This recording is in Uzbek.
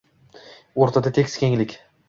O’rtada tekis kenglik